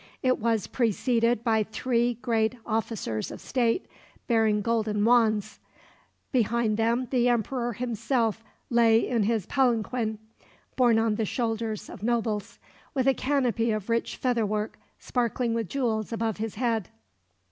It was preceded by three great officers of state, bearing golden wands; behind them the emperor himself lay in his palanquin, borne on the shoulders of nobles, with a canopy of rich feather work sparkling with jewels above his head.